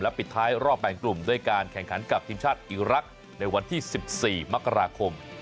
ปิดท้ายรอบแบ่งกลุ่มด้วยการแข่งขันกับทีมชาติอิรักษ์ในวันที่๑๔มกราคม